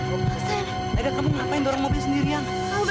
mereka kamu ngapain dorong mobil sendirian